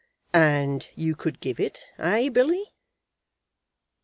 "And you could give it; eh, Billy?"